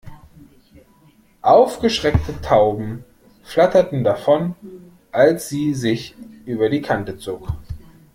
Aufgeschreckte Tauben flatterten davon, als sie sich über die Kante zog.